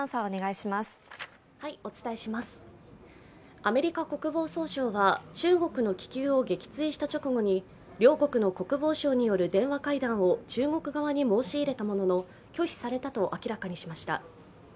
アメリカ国防総省は中国の気球を撃墜した直後に両国の国防相による電話会談を中国側に申し入れたものの拒否されたと明らかにしました。